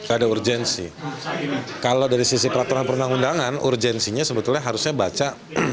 ada urgensi kalau dari sisi peraturan perundang undangan urgensinya sebetulnya harusnya baca